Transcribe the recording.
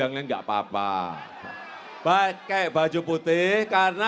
amin ya rabbal alamin